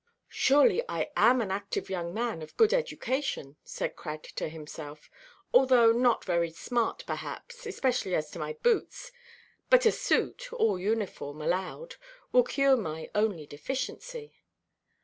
"Surely I am an active young man, of good education," said Crad to himself, "although not very smart, perhaps, especially as to my boots; but a suit, all uniform, allowed, will cure my only deficiency.